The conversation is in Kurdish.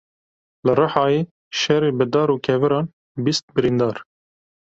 Li Rihayê şerê bi dar û keviran bîst birîndar.